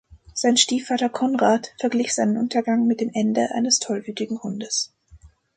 Sein Stiefvater Konrad verglich seinen Untergang mit dem Ende eines tollwütigen Hundes.